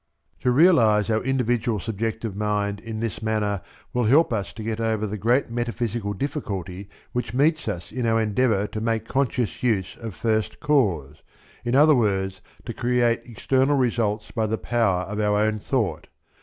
To realize our individual subjective mind in this manner will help us to get over the great metaphysical difficulty which meets us in our endeavour to make conscious use of first cause, in other words to create external results by the power of our own thought.